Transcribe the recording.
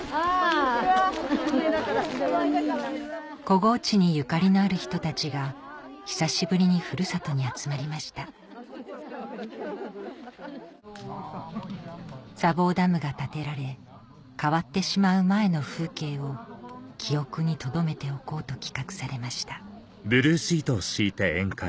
小河内にゆかりのある人たちが久しぶりにふるさとに集まりました砂防ダムが建てられ変わってしまう前の風景を記憶にとどめておこうと企画されました